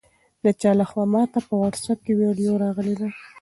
د چا لخوا ماته په واټساپ کې ویډیو راغلې ده؟